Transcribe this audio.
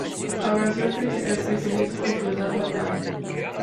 Abrazó el cristianismo en su edad madura.